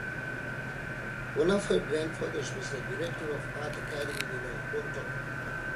One of her grandfathers was the director of the Art Academy in her hometown.